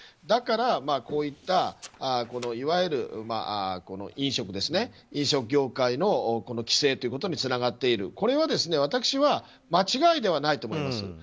だからこういったいわゆる飲食業界の規制につながっている、これは私は間違いではないと思います。